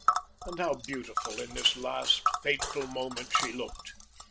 And how beautiful in this last fateful moment she looked!